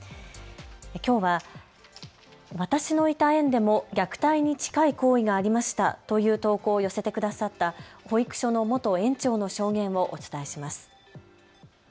きょうは私のいた園でも虐待に近い行為がありましたという投稿を寄せてくださった保育所の元園長の証言をお伝えします。